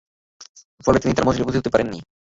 ফলে তিনি তার মজলিসে উপস্থিত হতে পারেন না।